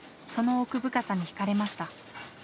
その奥深さに引かれました。